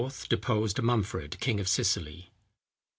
deposed Manphred, king of Sicily.